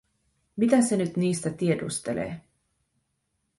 Mitä se nyt niistä tiedustelee?